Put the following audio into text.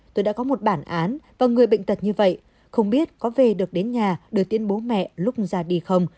tôi đã có một bản án và người bệnh tật như vậy không biết có về được đến nhà đưa tiến bố mẹ lúc ra đi không